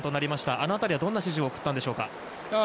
あの辺りは、どんな指示を送ったんでしょうか。